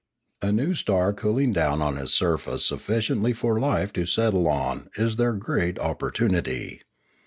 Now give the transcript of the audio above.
A new star cooling down on its sur face sufficiently for life to settle on is their great op portunity.